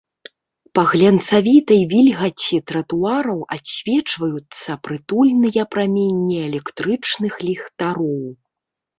Па глянцавітай вільгаці тратуараў адсвечваюцца прытульныя праменні электрычных ліхтароў.